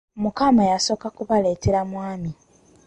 Mukama yasooka kubaleetera mwami.